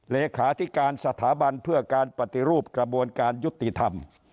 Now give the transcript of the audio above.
เลขาธิการสถาบันเพื่อการปฏิรูปกระบวนการยุติธรรม